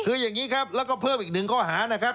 คืออย่างนี้ครับแล้วก็เพิ่มอีกหนึ่งข้อหานะครับ